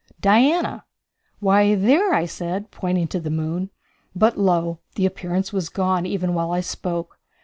"Diana." "Why, there," I said, pointing to the moon. But lo! the appearance was gone even while I spoke.